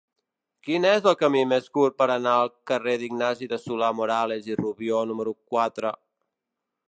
Quin és el camí més curt per anar al carrer d'Ignasi de Solà-Morales i Rubió número quatre?